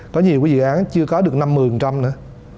có nhiều cái dự án chưa có được năm mươi nữa